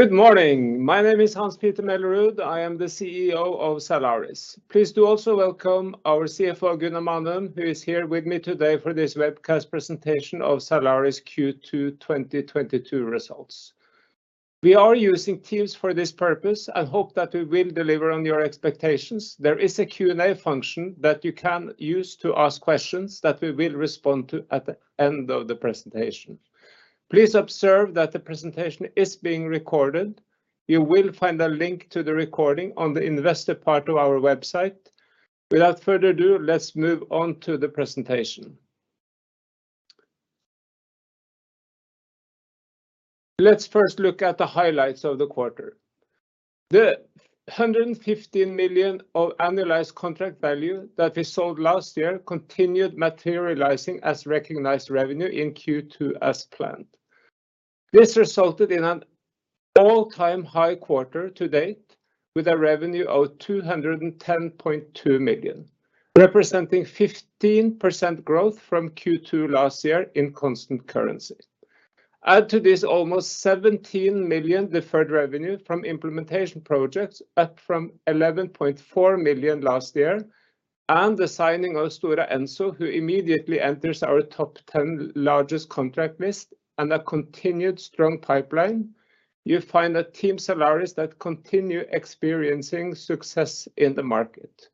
Good morning. My name is Hans-Petter Mellerud. I am the CEO of Zalaris. Please do also welcome our CFO, Gunnar Manum, who is here with me today for this webcast presentation of Zalaris Q2 2022 results. We are using Teams for this purpose and hope that we will deliver on your expectations. There is a Q&A function that you can use to ask questions that we will respond to at the end of the presentation. Please observe that the presentation is being recorded. You will find a link to the recording on the investor part of our website. Without further ado, let's move on to the presentation. Let's first look at the highlights of the quarter. The 115 million of annualized contract value that we sold last year continued materializing as recognized revenue in Q2 as planned. This resulted in an all-time high quarter to date with a revenue of 210.2 million, representing 15% growth from Q2 last year in constant currency. Add to this almost 17 million deferred revenue from implementation projects, up from 11.4 million last year, and the signing of Stora Enso, who immediately enters our top ten largest contract list and a continued strong pipeline, you find a team Zalaris that continue experiencing success in the market.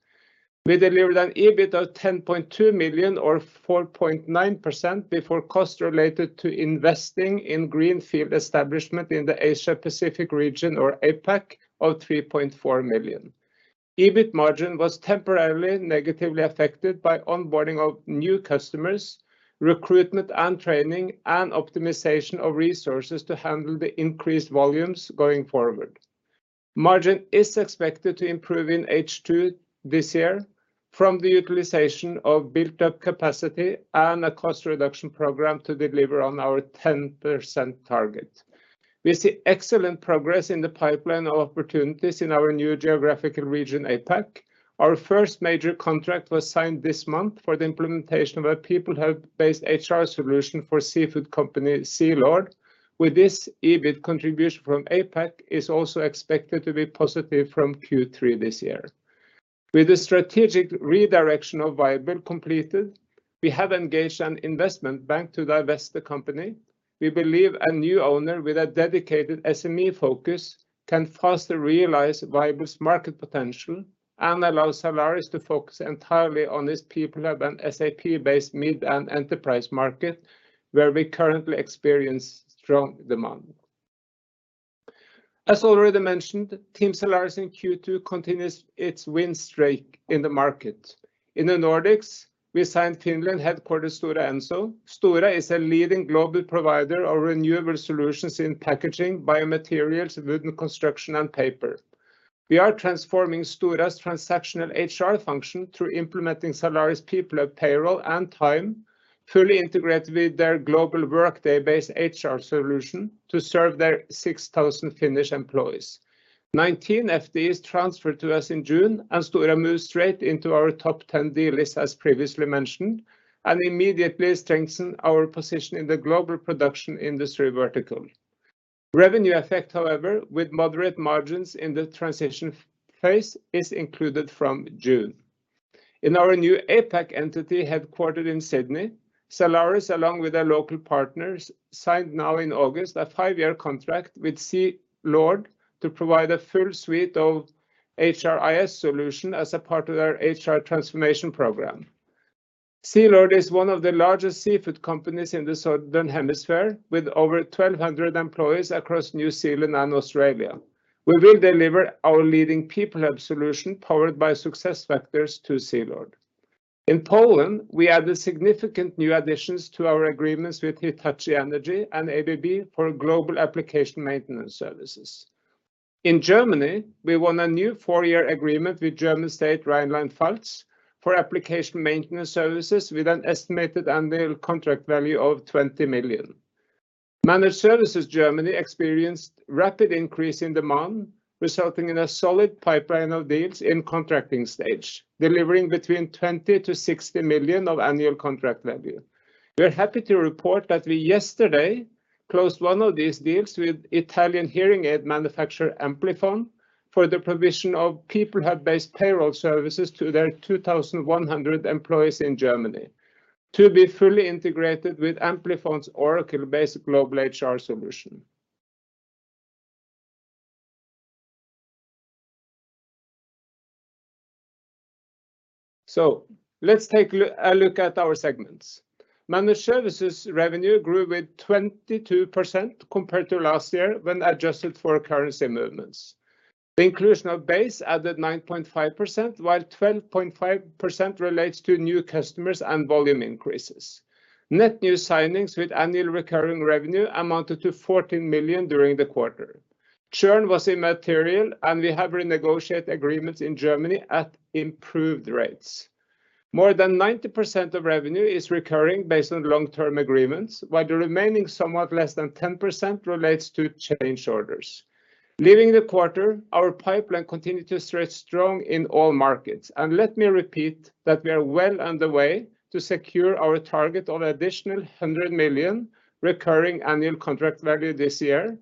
We delivered an EBIT of 10.2 million or 4.9% before costs related to investing in greenfield establishment in the Asia-Pacific region or APAC of 3.4 million. EBIT margin was temporarily negatively affected by onboarding of new customers, recruitment and training, and optimization of resources to handle the increased volumes going forward. Margin is expected to improve in H2 this year from the utilization of built-up capacity and a cost reduction program to deliver on our 10% target. We see excellent progress in the pipeline of opportunities in our new geographical region, APAC. Our first major contract was signed this month for the implementation of our PeopleHub-based HR solution for seafood company Sealord. With this EBIT contribution from APAC is also expected to be positive from Q3 this year. With the strategic redirection of Vyble completed, we have engaged an investment bank to divest the company. We believe a new owner with a dedicated SME focus can faster realize Vyble's market potential and allow Zalaris to focus entirely on its PeopleHub and SAP-based mid and enterprise market where we currently experience strong demand. As already mentioned, team Zalaris in Q2 continues its win streak in the market. In the Nordics, we signed Finland-headquartered Stora Enso. Stora is a leading global provider of renewable solutions in packaging, biomaterials, wooden construction, and paper. We are transforming Stora's transactional HR function through implementing Zalaris PeopleHub Payroll and Time, fully integrated with their global Workday-based HR solution to serve their 6,000 Finnish employees. 19 FTEs transferred to us in June and Stora moved straight into our top 10 deal list as previously mentioned, and immediately strengthen our position in the global production industry vertical. Revenue effect, however, with moderate margins in the transition phase is included from June. In our new APAC entity headquartered in Sydney, Zalaris, along with their local partners, signed now in August a five year contract with Sealord to provide a full suite of HRIS solution as a part of their HR transformation program. Sealord is one of the largest seafood companies in the Southern Hemisphere, with over 1,200 employees across New Zealand and Australia. We will deliver our leading PeopleHub solution powered by SuccessFactors to Sealord. In Poland, we added significant new additions to our agreements with Hitachi Energy and ABB for global application maintenance services. In Germany, we won a new four year agreement with German state Rhineland-Palatinate for application maintenance services with an estimated annual contract value of 20 million. Managed Services Germany experienced rapid increase in demand, resulting in a solid pipeline of deals in contracting stage, delivering between 20 million-60 million of annual contract value. We're happy to report that we yesterday closed one of these deals with Italian hearing aid manufacturer Amplifon for the provision of PeopleHub-based payroll services to their 2,100 employees in Germany to be fully integrated with Amplifon's Oracle-based global HR solution. Let's take a look at our segments. Managed Services revenue grew with 22% compared to last year when adjusted for currency movements. The inclusion of ba.se. added 9.5%, while 12.5% relates to new customers and volume increases. Net new signings with annual recurring revenue amounted to 14 million during the quarter. Churn was immaterial, and we have renegotiated agreements in Germany at improved rates. More than 90% of revenue is recurring based on long-term agreements, while the remaining somewhat less than 10% relates to change orders. Leaving the quarter, our pipeline continued to stay strong in all markets. Let me repeat that we are well on the way to secure our target on additional 100 million recurring annual contract value this year,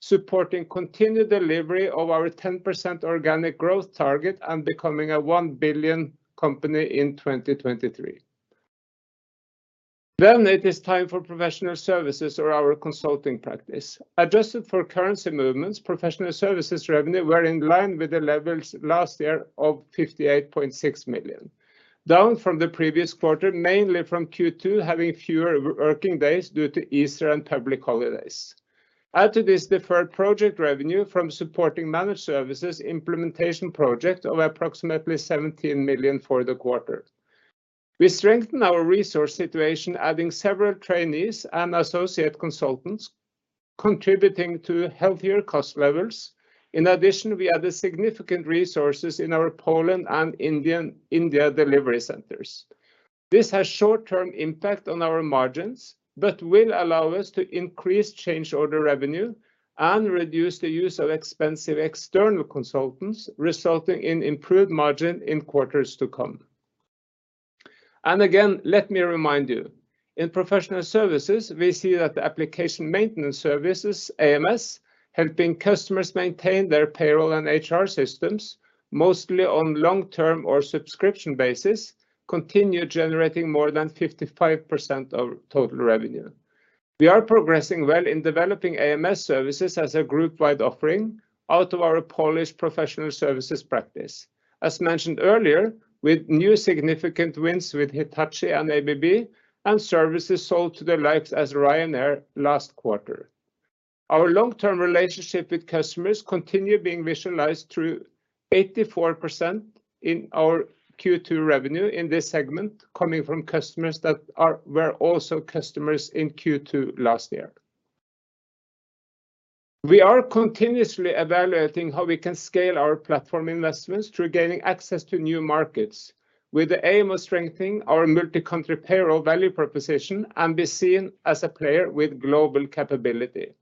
supporting continued delivery of our 10% organic growth target and becoming a 1 billion company in 2023. It is time for Professional Services or our consulting practice. Adjusted for currency movements, Professional Services revenue were in line with the levels last year of 58.6 million, down from the previous quarter, mainly from Q2, having fewer working days due to Easter and public holidays. Add to this deferred project revenue from supporting Managed Services implementation project of approximately 17 million for the quarter. We strengthen our resource situation, adding several trainees and associate consultants, contributing to healthier cost levels. In addition, we add the significant resources in our Poland and India delivery centers. This has short-term impact on our margins, but will allow us to increase change order revenue and reduce the use of expensive external consultants, resulting in improved margin in quarters to come. Again, let me remind you, in professional services, we see that the application maintenance services, AMS, helping customers maintain their payroll and HR systems, mostly on long-term or subscription basis, continue generating more than 55% of total revenue. We are progressing well in developing AMS services as a group-wide offering out of our Polish professional services practice. As mentioned earlier, with new significant wins with Hitachi and ABB and services sold to the likes of Ryanair last quarter. Our long term relationship with customers continue being visualized through 84% in our Q2 revenue in this segment coming from customers that were also customers in Q2 last year. We are continuously evaluating how we can scale our platform investments through gaining access to new markets with the aim of strengthening our multi-country payroll value proposition and be seen as a player with global capability.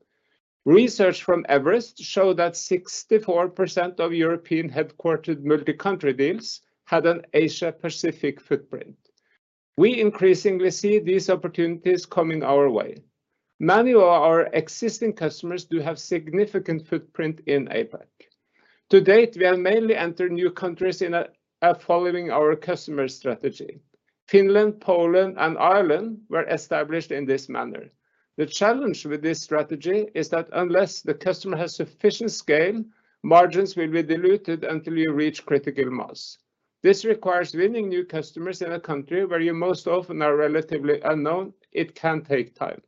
Research from Everest Group show that 64% of European headquartered multi-country deals had an Asia-Pacific footprint. We increasingly see these opportunities coming our way. Many of our existing customers do have significant footprint in APAC. To date, we are mainly enter new countries in a following our customer strategy. Finland, Poland, and Ireland were established in this manner. The challenge with this strategy is that unless the customer has sufficient scale, margins will be diluted until you reach critical mass. This requires winning new customers in a country where you most often are relatively unknown. It can take time.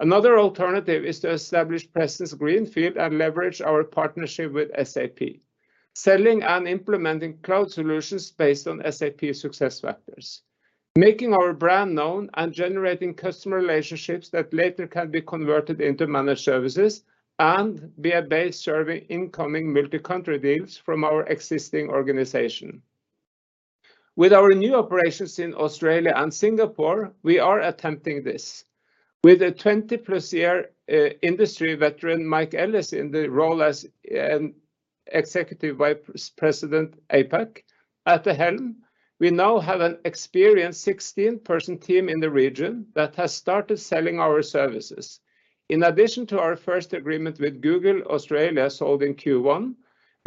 Another alternative is to establish presence greenfield and leverage our partnership with SAP, selling and implementing cloud solutions based on SAP SuccessFactors. Making our brand known and generating customer relationships that later can be converted into managed services and be a base serving incoming multi-country deals from our existing organization. With our new operations in Australia and Singapore, we are attempting this. With a 20+ year industry veteran Mike Ellis in the role as Executive Vice President APAC at the helm, we now have an experienced 16-person team in the region that has started selling our services. In addition to our first agreement with Google Australia sold in Q1,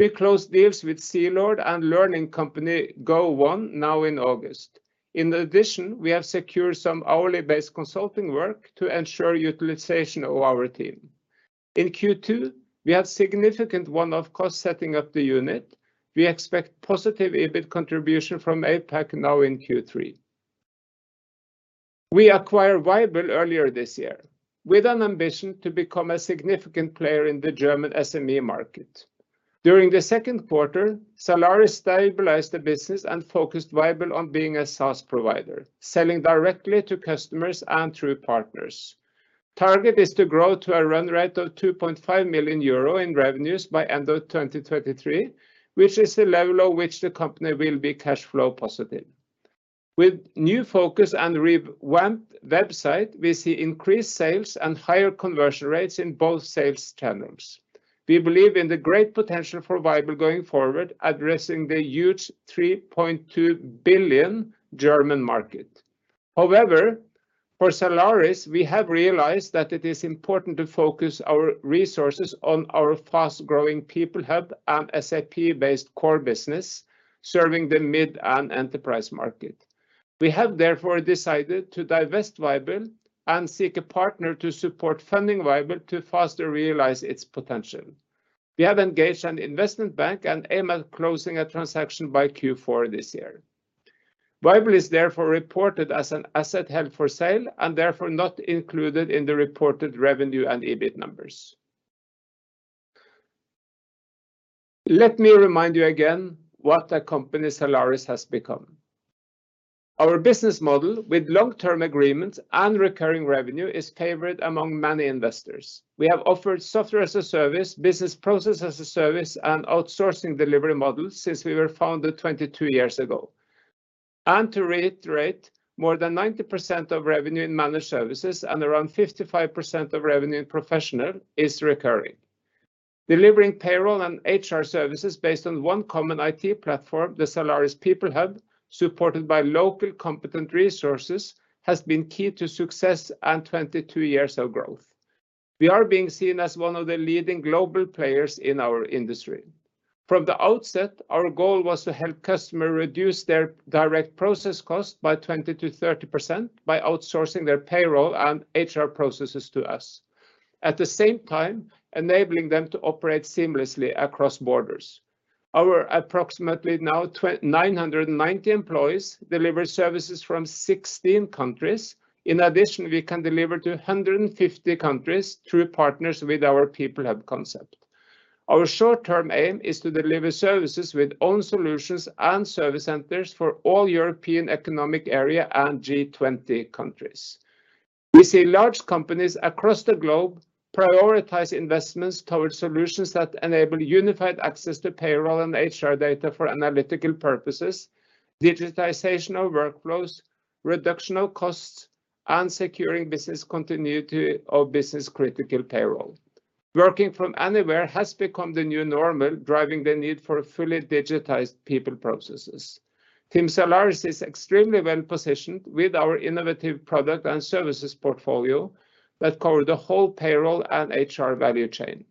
we closed deals with Sealord and learning company Go1 now in August. In addition, we have secured some hourly based consulting work to ensure utilization of our team. In Q2, we had significant one-off cost setting up the unit. We expect positive EBIT contribution from APAC now in Q3. We acquired Vyble earlier this year with an ambition to become a significant player in the German SME market. During the second quarter, Zalaris stabilized the business and focused Vyble on being a SaaS provider, selling directly to customers and through partners. Target is to grow to a run rate of 2.5 million euro in revenues by end of 2023, which is the level at which the company will be cash flow positive. With new focus and redesigned website, we see increased sales and higher conversion rates in both sales channels. We believe in the great potential for Vyble going forward addressing the huge 3.2 billion German market. However, for Zalaris, we have realized that it is important to focus our resources on our fast-growing PeopleHub and SAP-based core business, serving the mid and enterprise market. We have therefore decided to divest Vyble and seek a partner to support funding Vyble to faster realize its potential. We have engaged an investment bank and aim at closing a transaction by Q4 this year. Vyble is therefore reported as an asset held for sale and therefore not included in the reported revenue and EBIT numbers. Let me remind you again what a company Zalaris has become. Our business model with long-term agreements and recurring revenue is favored among many investors. We have offered software as a service, business process as a service, and outsourcing delivery models since we were founded 22 years ago. To reiterate, more than 90% of revenue in managed services and around 55% of revenue in professional is recurring. Delivering payroll and HR services based on one common IT platform, the Zalaris PeopleHub, supported by local competent resources, has been key to success and 22 years of growth. We are being seen as one of the leading global players in our industry. From the outset, our goal was to help customer reduce their direct process cost by 20%-30% by outsourcing their payroll and HR processes to us. At the same time, enabling them to operate seamlessly across borders. Our approximately 990 employees deliver services from 16 countries. In addition, we can deliver to 150 countries through partners with our PeopleHub concept. Our short term aim is to deliver services with own solutions and service centers for all European economic area and G20 countries. We see large companies across the globe prioritize investments towards solutions that enable unified access to payroll and HR data for analytical purposes, digitalization of workflows, reduction of costs, and securing business continuity of business critical payroll. Working from anywhere has become the new normal, driving the need for a fully digitized people processes. Team Zalaris is extremely well positioned with our innovative product and services portfolio that cover the whole payroll and HR value chain.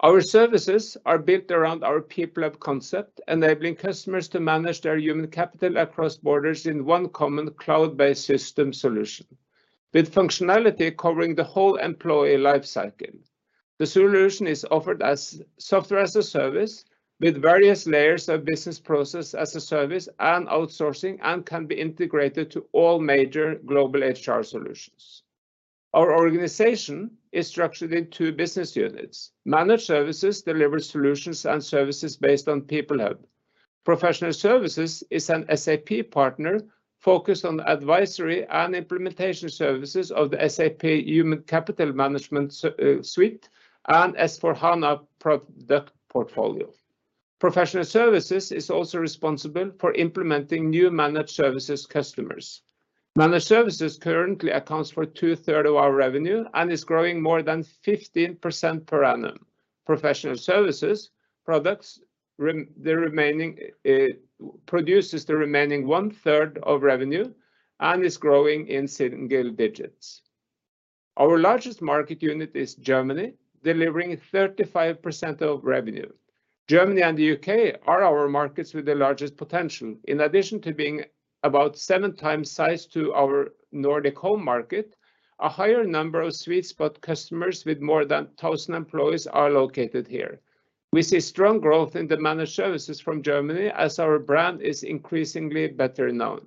Our services are built around our PeopleHub concept, enabling customers to manage their human capital across borders in one common cloud-based system solution with functionality covering the whole employee life cycle. The solution is offered as software as a service with various layers of business process as a service and outsourcing, and can be integrated to all major global HR solutions. Our organization is structured in two business units. Managed services deliver solutions and services based on PeopleHub. Professional services is an SAP partner focused on advisory and implementation services of the SAP Human Capital Management Suite and S/4HANA product portfolio. Professional services is also responsible for implementing new managed services customers. Managed services currently accounts for two-thirds of our revenue and is growing more than 15% per annum. Professional services produces the remaining one-third of revenue and is growing in single digits. Our largest market unit is Germany, delivering 35% of revenue. Germany and the U.K. are our markets with the largest potential. In addition to being about 7x the size of our Nordics home market, a higher number of sweet-spot customers with more than 1,000 employees are located here. We see strong growth in the Managed Services from Germany as our brand is increasingly better known.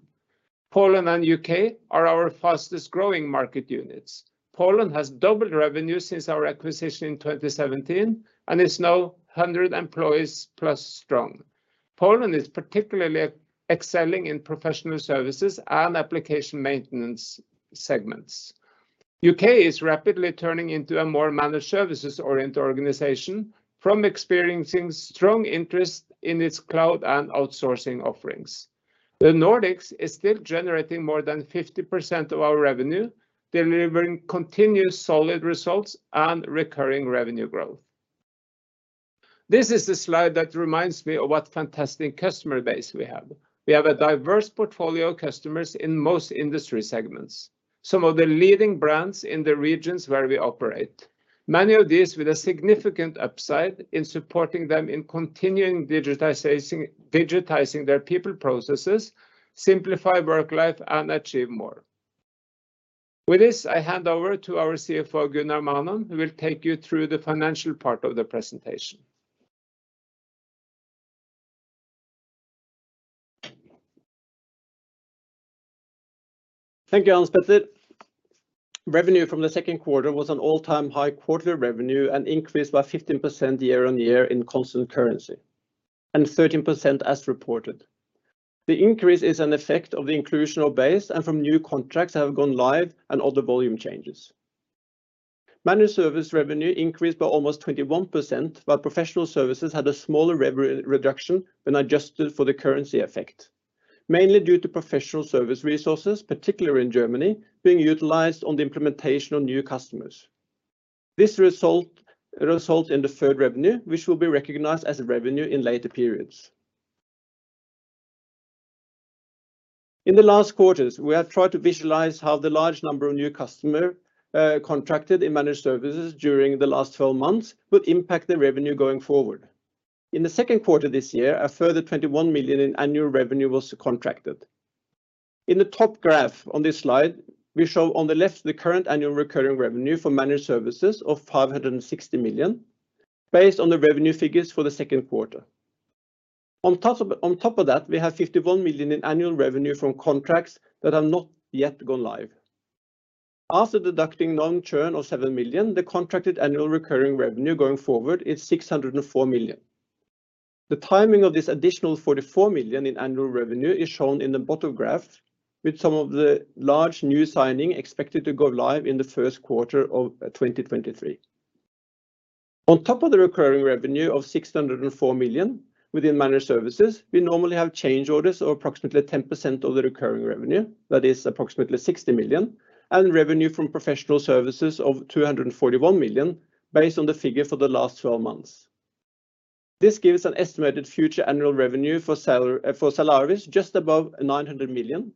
Poland and U.K. are our fastest growing market units. Poland has doubled revenue since our acquisition in 2017 and is now 100+ employees strong. Poland is particularly excelling in Professional Services and application maintenance segments. U.K. is rapidly turning into a more Managed Services oriented organization, experiencing strong interest in its cloud and outsourcing offerings. The Nordics is still generating more than 50% of our revenue, delivering continuous solid results and recurring revenue growth. This is the slide that reminds me of what fantastic customer base we have. We have a diverse portfolio of customers in most industry segments, some of the leading brands in the regions where we operate. Many of these with a significant upside in supporting them in continuing digitizing their people processes, simplify work life, and achieve more. With this, I hand over to our CFO, Gunnar Manum, who will take you through the financial part of the presentation. Thank you, Hans-Petter Mellerud. Revenue from the second quarter was an all-time high quarterly revenue and increased by 15% year-on-year in constant currency, and 13% as reported. The increase is an effect of the inclusion of ba.se. and from new contracts that have gone live and other volume changes. Managed Services revenue increased by almost 21%, while professional services had a smaller reduction when adjusted for the currency effect, mainly due to professional service resources, particularly in Germany, being utilized on the implementation of new customers. This result in deferred revenue, which will be recognized as revenue in later periods. In the last quarters, we have tried to visualize how the large number of new customer contracted in Managed Services during the last 12 months will impact the revenue going forward. In the second quarter this year, a further 21 million in annual revenue was contracted. In the top graph on this slide, we show on the left the current annual recurring revenue for managed services of 560 million based on the revenue figures for the second quarter. On top of that, we have 51 million in annual revenue from contracts that have not yet gone live. After deducting net churn of 7 million, the contracted annual recurring revenue going forward is 604 million. The timing of this additional 44 million in annual revenue is shown in the bottom graph with some of the large new signing expected to go live in the first quarter of twenty twenty-three. On top of the recurring revenue of 604 million within managed services, we normally have change orders or approximately 10% of the recurring revenue. That is approximately 60 million. Revenue from professional services of 241 million based on the figure for the last twelve months. This gives an estimated future annual revenue for Zalaris just above 900 million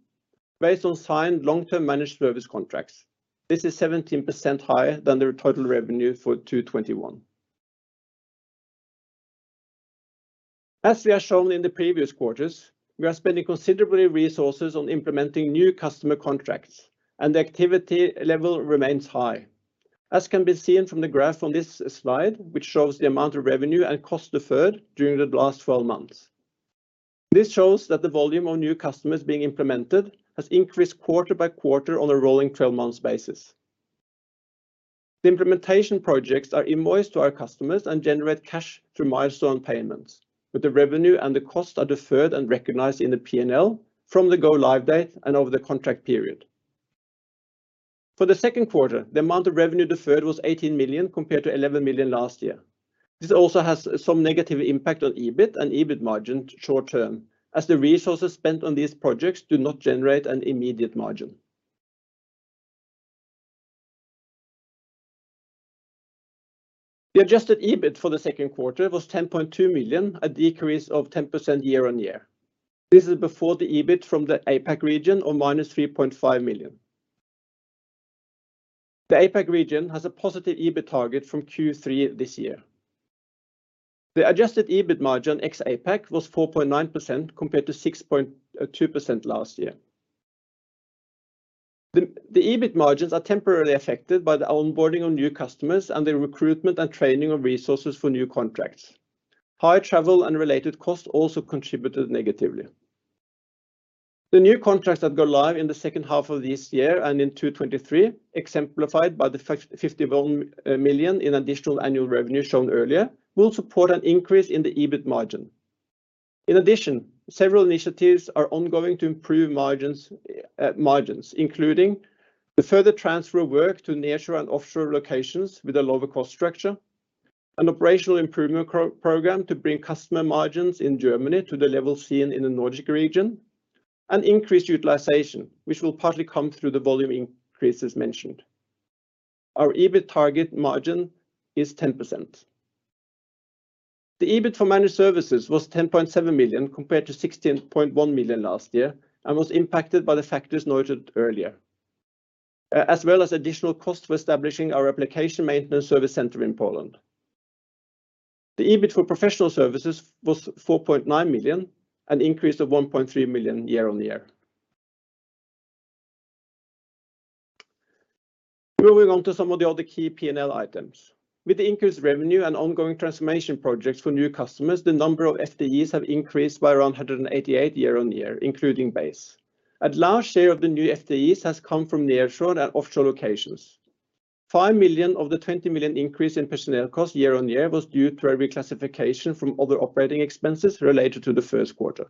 based on signed long-term managed service contracts. This is 17% higher than their total revenue for 2021. As we have shown in the previous quarters, we are spending considerable resources on implementing new customer contracts, and the activity level remains high, as can be seen from the graph on this slide, which shows the amount of revenue and costs deferred during the last 12 months. This shows that the volume of new customers being implemented has increased quarter by quarter on a rolling 12-months basis. The implementation projects are invoiced to our customers and generate cash through milestone payments, but the revenue and the costs are deferred and recognized in the P&L from the go-live date and over the contract period. For the second quarter, the amount of revenue deferred was 18 million compared to 11 million last year. This also has some negative impact on EBIT and EBIT margin short-term, as the resources spent on these projects do not generate an immediate margin. The adjusted EBIT for the second quarter was 10.2 million, a decrease of 10% year-on-year. This is before the EBIT from the APAC region of -3.5 million. The APAC region has a positive EBIT target from Q3 this year. The adjusted EBIT margin ex APAC was 4.9% compared to 6.2% last year. The EBIT margins are temporarily affected by the onboarding of new customers and the recruitment and training of resources for new contracts. High travel and related costs also contributed negatively. The new contracts that go live in the second half of this year and in 2023, exemplified by the 51 million in additional annual revenue shown earlier, will support an increase in the EBIT margin. In addition, several initiatives are ongoing to improve margins, including the further transfer of work to nearshore and offshore locations with a lower cost structure, an operational improvement program to bring customer margins in Germany to the level seen in the Nordic region, and increased utilization, which will partly come through the volume increases mentioned. Our EBIT target margin is 10%. The EBIT for Managed Services was 10.7 million compared to 16.1 million last year and was impacted by the factors noted earlier, as well as additional cost for establishing our application maintenance service center in Poland. The EBIT for Professional Services was 4.9 million, an increase of 1.3 million year-on-year. Moving on to some of the other key P&L items. With the increased revenue and ongoing transformation projects for new customers, the number of FTEs have increased by around 188 year-over-year, including base. A large share of the new FTEs has come from nearshore and offshore locations. 5 million of the 20 million increase in personnel costs year-over-year was due to a reclassification from other operating expenses related to the first quarter.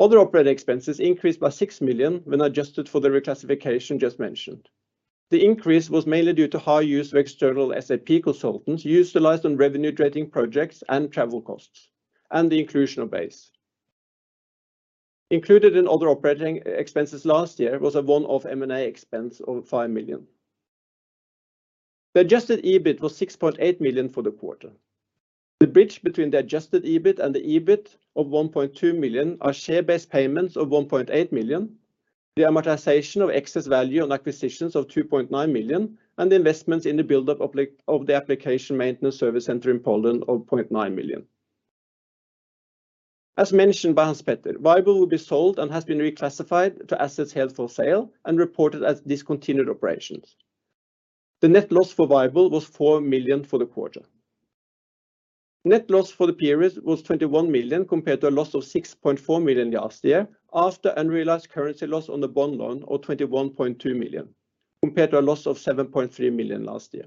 Other operating expenses increased by 6 million when adjusted for the reclassification just mentioned. The increase was mainly due to high use of external SAP consultants utilized on revenue-generating projects and travel costs and the inclusion of ba.se. Included in other operating expenses last year was a one-off M&A expense of 5 million. The adjusted EBIT was 6.8 million for the quarter. The bridge between the adjusted EBIT and the EBIT of 1.2 million are share-based payments of 1.8 million, the amortization of excess value on acquisitions of 2.9 million, and the investments in the buildup of the application maintenance service center in Poland of 0.9 million. As mentioned by Hans-Petter, Vyble will be sold and has been reclassified to assets held for sale and reported as discontinued operations. The net loss for Vyble was 4 million for the quarter. Net loss for the period was 21 million compared to a loss of 6.4 million last year after unrealized currency loss on the bond loan of 21.2 million compared to a loss of 7.3 million last year.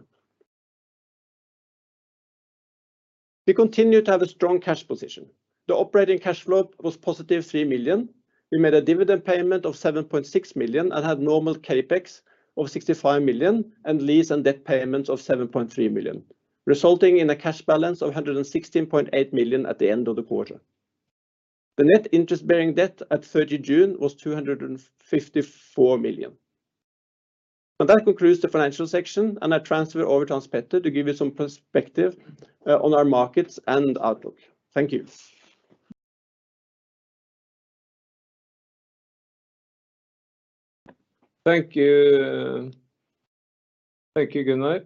We continue to have a strong cash position. The operating cash flow was positive 3 million. We made a dividend payment of 7.6 million and had normal CapEx of 65 million and lease and debt payments of 7.3 million, resulting in a cash balance of 116.8 million at the end of the quarter. The net interest-bearing debt at June 30th was 254 million. That concludes the financial section, and I transfer over to Hans-Petter to give you some perspective on our markets and outlook. Thank you. Thank you, Gunnar.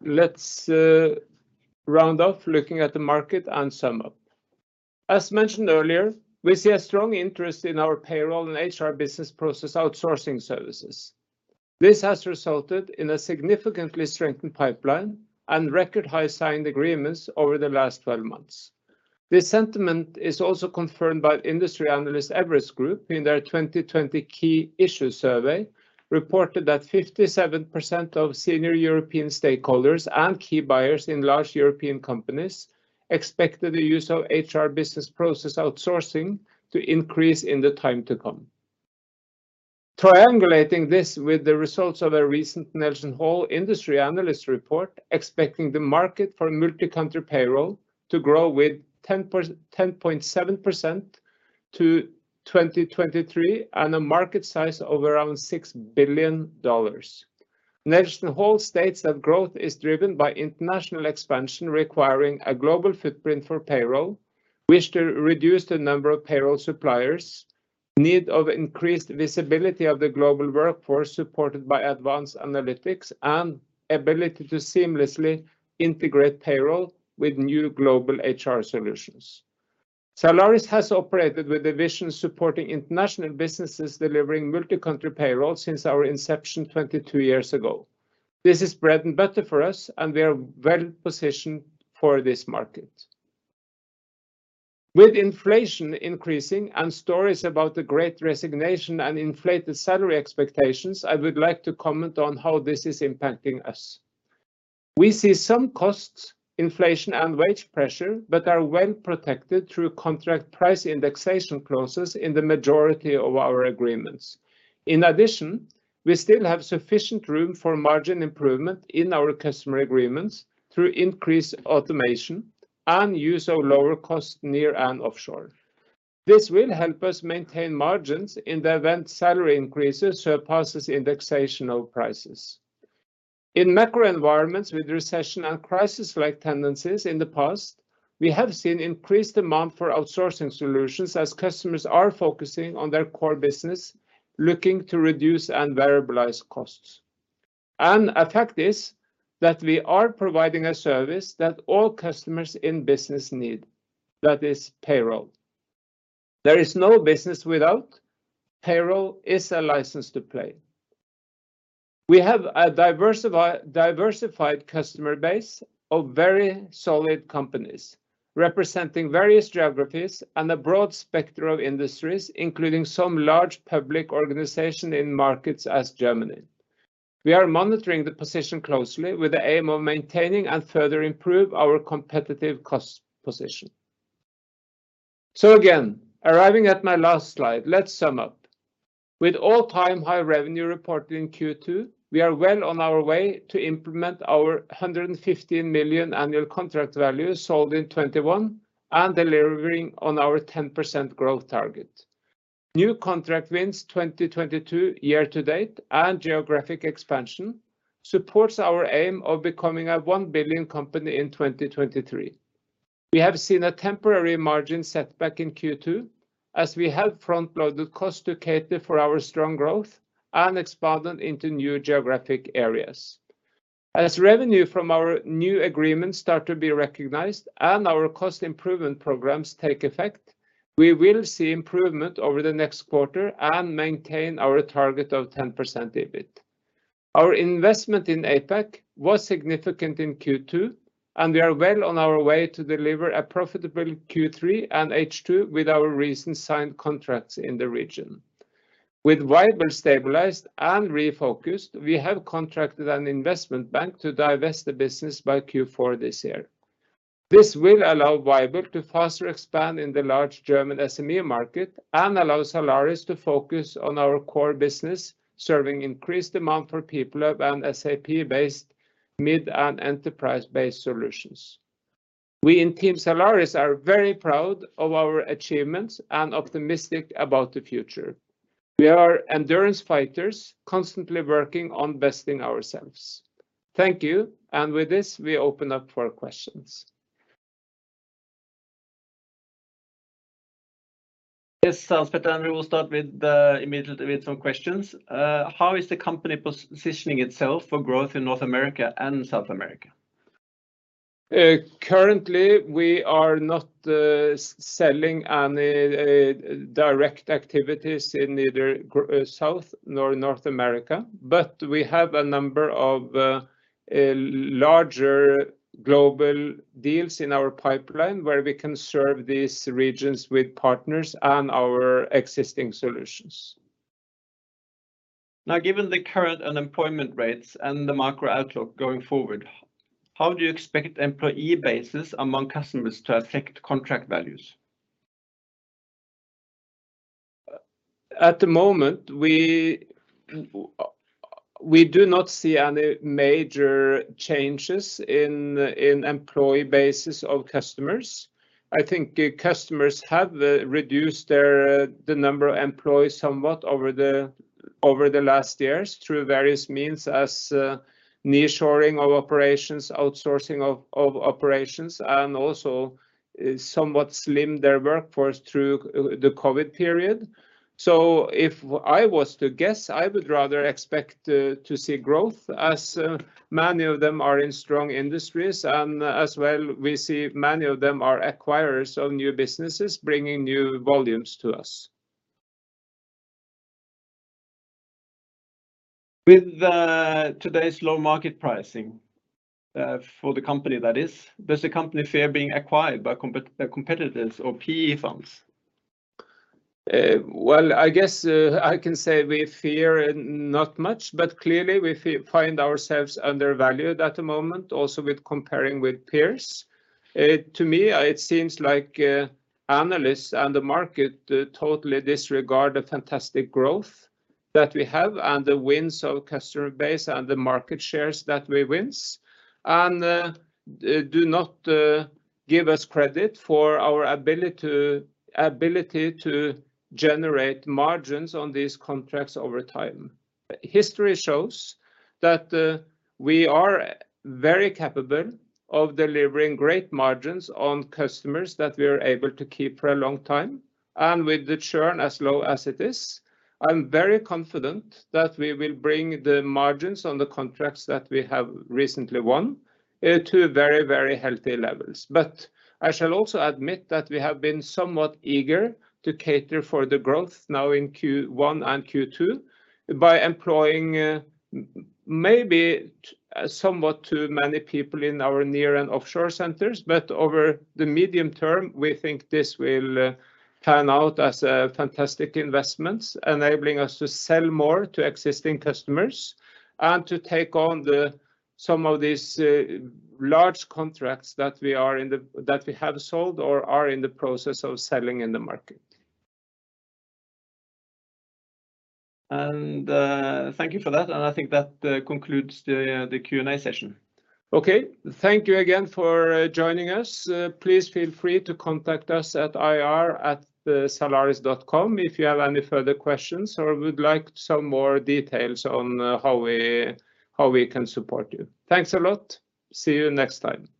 Let's round off looking at the market and sum up. As mentioned earlier, we see a strong interest in our payroll and HR business process outsourcing services. This has resulted in a significantly strengthened pipeline and record high signed agreements over the last 12 months. This sentiment is also confirmed by industry analyst Everest Group in their 2020 key issue survey, reported that 57% of senior European stakeholders and key buyers in large European companies expected the use of HR business process outsourcing to increase in the time to come. Triangulating this with the results of a recent NelsonHall industry analyst report expecting the market for multi-country payroll to grow with 10.7% to 2023, and a market size of around $6 billion. NelsonHall states that growth is driven by international expansion requiring a global footprint for payroll, wish to reduce the number of payroll suppliers, need of increased visibility of the global workforce supported by advanced analytics, and ability to seamlessly integrate payroll with new global HR solutions. Zalaris has operated with the vision supporting international businesses delivering multi-country payroll since our inception 22 years ago. This is bread and butter for us, and we are well positioned for this market. With inflation increasing and stories about the great resignation and inflated salary expectations, I would like to comment on how this is impacting us. We see some costs, inflation, and wage pressure, but are well protected through contract price indexation clauses in the majority of our agreements. In addition, we still have sufficient room for margin improvement in our customer agreements through increased automation and use of lower cost near and offshore. This will help us maintain margins in the event salary increases surpasses indexation of prices. In macro environments with recession and crisis-like tendencies in the past, we have seen increased demand for outsourcing solutions as customers are focusing on their core business, looking to reduce and variabilize costs. A fact is that we are providing a service that all customers in business need. That is payroll. There is no business without. Payroll is a license to play. We have a diversified customer base of very solid companies representing various geographies and a broad spectrum of industries, including some large public organization in markets such as Germany. We are monitoring the position closely with the aim of maintaining and further improve our competitive cost position. Again, arriving at my last slide, let's sum up. With all-time high revenue reported in Q2, we are well on our way to implement our 115 million annual contract value sold in 2021 and delivering on our 10% growth target. New contract wins 2022 year to date and geographic expansion supports our aim of becoming a 1 billion company in 2023. We have seen a temporary margin setback in Q2 as we have front-loaded costs to cater for our strong growth and expanded into new geographic areas. As revenue from our new agreements start to be recognized and our cost improvement programs take effect, we will see improvement over the next quarter and maintain our target of 10% EBIT. Our investment in APAC was significant in Q2, and we are well on our way to deliver a profitable Q3 and H2 with our recent signed contracts in the region. With Vyble stabilized and refocused, we have contracted an investment bank to divest the business by Q4 this year. This will allow Vyble to faster expand in the large German SME market and allow Zalaris to focus on our core business, serving increased demand for PeopleHub and SAP-based mid- and enterprise-based solutions. We in Team Zalaris are very proud of our achievements and optimistic about the future. We are endurance fighters, constantly working on besting ourselves. Thank you, and with this, we open up for questions. Yes, and we will start immediately with some questions. How is the company positioning itself for growth in North America and South America? Currently we are not selling any direct activities in either South nor North America, but we have a number of larger global deals in our pipeline where we can serve these regions with partners and our existing solutions. Now, given the current unemployment rates and the macro outlook going forward, how do you expect employee bases among customers to affect contract values? At the moment, we do not see any major changes in employee bases of customers. I think customers have reduced their the number of employees somewhat over the last years through various means as nearshoring of operations, outsourcing of operations, and also somewhat slimmed their workforce through the COVID period. If I was to guess, I would rather expect to see growth, as many of them are in strong industries and as well we see many of them are acquirers of new businesses bringing new volumes to us. With today's low market pricing for the company that is, does the company fear being acquired by competitors or PE firms? Well, I guess I can say we fear not much, but clearly we find ourselves undervalued at the moment, also with comparing with peers. To me, it seems like analysts and the market totally disregard the fantastic growth that we have and the wins of customer base and the market shares that we win, and do not give us credit for our ability to generate margins on these contracts over time. History shows that we are very capable of delivering great margins on customers that we are able to keep for a long time, and with the churn as low as it is, I'm very confident that we will bring the margins on the contracts that we have recently won to very, very healthy levels. I shall also admit that we have been somewhat eager to cater for the growth now in Q1 and Q2 by employing, maybe somewhat too many people in our near and offshore centers. Over the medium term, we think this will pan out as fantastic investments, enabling us to sell more to existing customers and to take on some of these large contracts that we have sold or are in the process of selling in the market. Thank you for that, and I think that concludes the Q&A session. Okay. Thank you again for joining us. Please feel free to contact us at ir@zalaris.com if you have any further questions or would like some more details on how we can support you. Thanks a lot. See you next time.